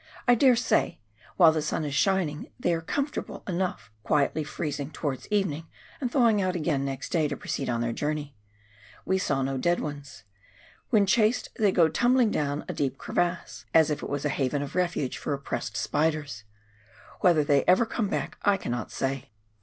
I dare say while the sun is shining they are comfortable enough, quietly freezing towards evening, and thawing out again next day proceed on their journey. We saw no dead ones. When chased they go tumbling down a deep crevasse, as if it was a haven of 2G8 PIONEER WORK IX THE ALPS OF NEW ZEALAND. rctuge for oppressed spiders. Whetlier they ever come back I cannot say."